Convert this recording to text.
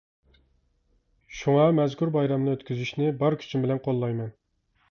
شۇڭا مەزكۇر بايرامنى ئۆتكۈزۈشنى بار كۈچۈم بىلەن قوللايمەن.